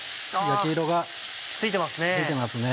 焼き色がついてますね。